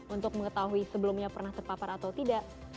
untuk mengetahui sebelumnya pernah terpapar atau tidak